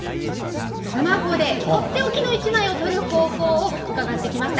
スマホでとっておきの一枚を撮る方法を伺ってきました。